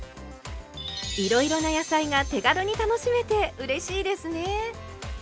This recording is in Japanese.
いろいろな野菜が手軽に楽しめてうれしいですね。